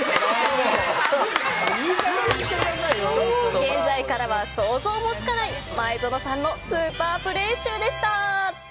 現在からは想像もつかない前園さんのスーパープレー集でした。